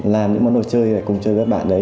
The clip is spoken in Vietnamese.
làm những món đồ chơi cùng chơi với các bạn đấy